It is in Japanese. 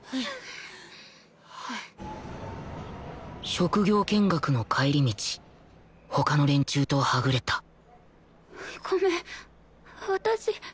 職業見学の帰り道他の連中とはぐれたごめん私。